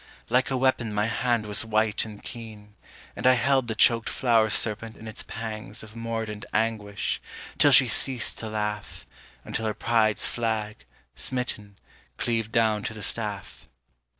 Like a weapon my hand was white and keen, And I held the choked flower serpent in its pangs Of mordant anguish, till she ceased to laugh, Until her pride's flag, smitten, cleaved down to the staff.